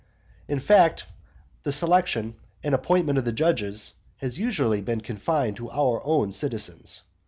In fact, the selection and appointment of the judges has usually been confined to our own citizens.